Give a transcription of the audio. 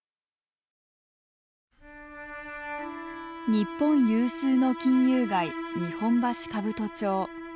日本有数の金融街日本橋兜町。